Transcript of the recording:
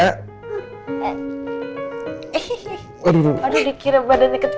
aduh dikira badan deket